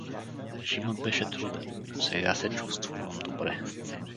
Режимът беше труден, но сега се чувствувам добре.